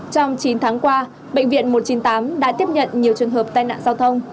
trong chín tháng qua bệnh viện một trăm chín mươi tám đã tiếp nhận nhiều trường hợp tai nạn giao thông